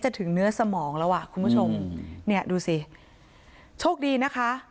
ถึงเนื้อสมองแล้วอ่ะคุณผู้ชมเนี่ยดูสิโชคดีนะคะ